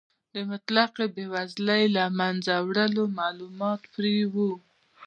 د مطلقې بې وزلۍ د له منځه وړلو مالومات پرې و.